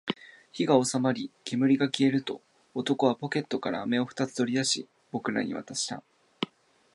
火が収まり、煙が消えると、男はポケットから飴を二つ取り出し、僕らに渡した